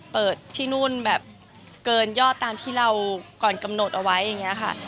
เปิดที่นู่นแบบเกินยอดตามที่เราก่อนกำหนดเอาไว้อย่างนี้ค่ะ